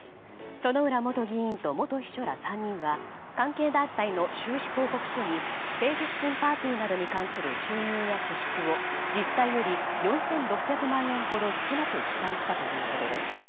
薗浦元議員と元秘書ら３人は関係団体の収支報告書に政治資金パーティーなどに関する収入や支出を実際より４６００万円ほど少なく記載したということです。